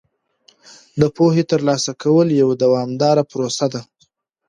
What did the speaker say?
د پوهې ترلاسه کول یوه دوامداره پروسه ده.